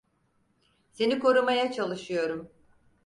Seni korumaya çalışıyorum.